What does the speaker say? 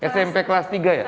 smp kelas tiga ya